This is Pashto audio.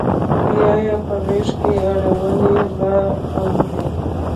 بیا یې په غیږ کې اړوي را اوړي